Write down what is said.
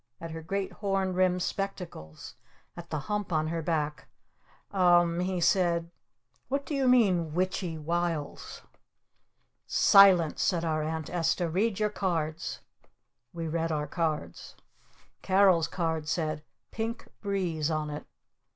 At her great horn rimmed spectacles. At the hump on her back. "U m m," he said. "What do you mean, 'witch y wiles?'" "Silence!" said our Aunt Esta. "Read your cards!" We read our cards. Carol's card said "PINK BREEZE" on it.